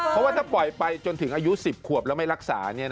เพราะว่าถ้าปล่อยไปจนถึงอายุ๑๐ขวบแล้วไม่รักษา